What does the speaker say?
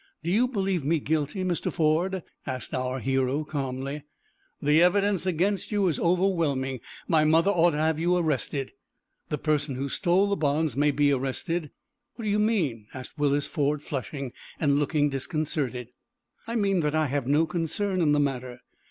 "Do you believe me guilty, Mr. Ford?" asked our hero, calmly. "The evidence against you is overwhelming. My mother ought to have you arrested." "The person who stole the bonds may be arrested." "What do you mean?" asked Willis Ford, flushing, and looking disconcerted. "I mean that I have no concern in the matter.